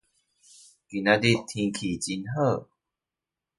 今天天氣真好